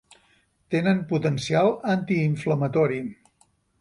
Tenen potencial antiinflamatori.